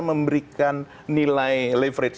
memberikan nilai leverage